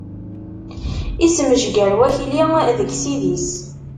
Ismejger Wakli deg sid-is.